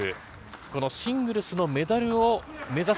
このシングルスのメダルを目指す